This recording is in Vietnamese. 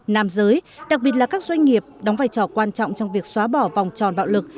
nam giới đặc biệt là các doanh nghiệp đóng vai trò quan trọng trong việc xóa bỏ vòng tròn bạo lực